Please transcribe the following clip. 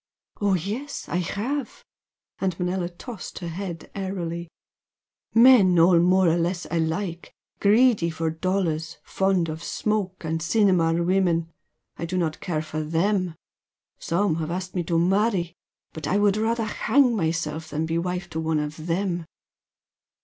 "Oh, yes, I have!" and Manella tossed her head airily "Men all more or less alike greedy for dollars, fond of smoke and cinema women, I do not care for them. Some have asked me to marry, but I would rather hang myself than be wife to one of them!"